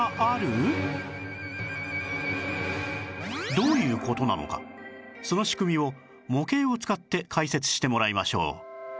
どういう事なのかその仕組みを模型を使って解説してもらいましょう